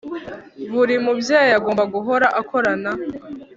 Buri mubyeyi agomba guhora akorana